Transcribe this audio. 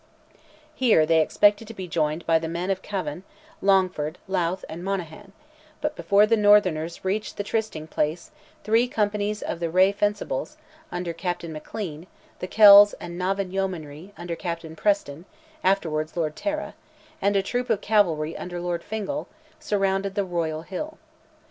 Here they expected to be joined by the men of Cavan, Longford, Louth and Monaghan; but before the northerners reached the trysting place, three companies of the Reay Fencibles, under Captain McClean, the Kells and Navan Yeomanry, under Captain Preston, (afterwards Lord Tara,) and a troop of cavalry under Lord Fingal, surrounded the royal hill.